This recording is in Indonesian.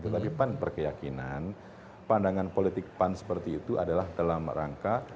tetapi pan berkeyakinan pandangan politik pan seperti itu adalah dalam rangka